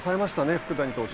福谷投手。